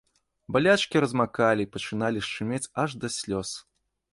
Балячкі размакалі і пачыналі шчымець аж да слёз.